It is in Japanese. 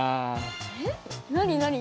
えっ何何？